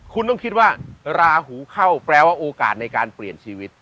คุณต้องคิดว่าราหูเข้าแปลว่าโอกาสในการเปลี่ยนชีวิต